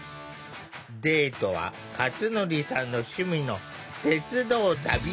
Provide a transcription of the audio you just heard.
デートはかつのりさんの趣味の鉄道旅。